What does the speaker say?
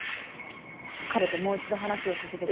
彼ともう１度話をさせてくだ。